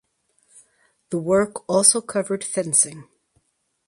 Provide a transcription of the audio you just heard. The work also covered fencing.